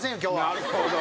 なるほど。